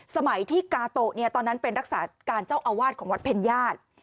สมัยที่กาโตะตอนนั้นเป็นรักษาการเจ้าอาวาสของวัดเพญญาติ